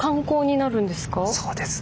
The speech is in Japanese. そうです。